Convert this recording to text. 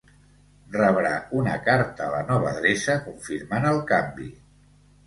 Rebrà una carta a la nova adreça confirmant el canvi.